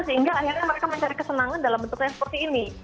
sehingga akhirnya mereka mencari kesenangan dalam bentuknya seperti ini